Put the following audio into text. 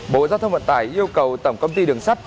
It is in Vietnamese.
bộ giao thông vận tải yêu cầu tổng công ty đường sắt